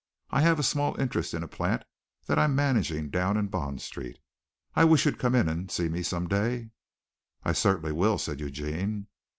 I have a small interest in a plant that I'm managing down in Bond Street. I wish you'd come in and see me some day." "I certainly will," said Eugene.